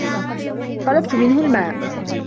طلبت منه الماء.